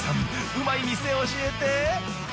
うまい店教えて！